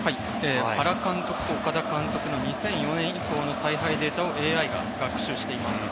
原監督と岡田監督の２００４年以降の采配データをＡＩが学習しています。